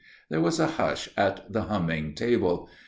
There was a hush at the humming table.